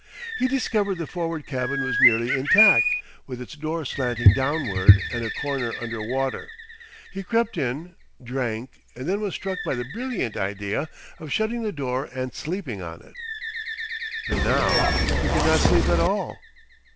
He discovered the forward cabin was nearly intact, with its door slanting downward and a corner under water. He crept in, drank, and then was struck by the brilliant idea of shutting the door and sleeping on it. But now he could not sleep at all.